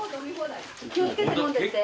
気を付けて飲んでって。